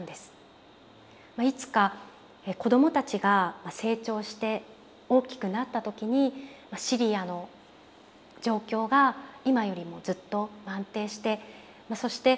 いつか子供たちが成長して大きくなった時にシリアの状況が今よりもずっと安定してそして